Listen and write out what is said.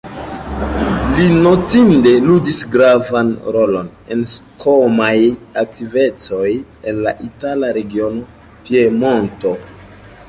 Li notinde ludis gravan rolon en kosmaj aktivecoj en la itala regiono Piemonto.